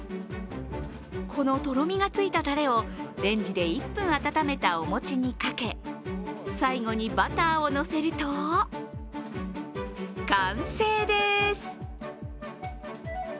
このとろみがついたたれをレンジで１分温めたお餅にかけ最後にバターをのせると完成です！